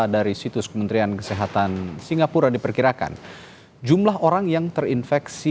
dari situs kementerian kesehatan singapura diperkirakan jumlah orang yang terinfeksi